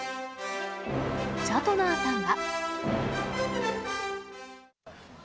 シャトナーさんは。